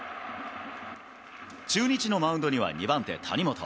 中日のマウンドには、２番手、谷元。